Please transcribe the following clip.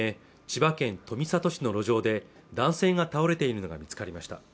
千葉県富里市の路上で男性が倒れているのが見つかりました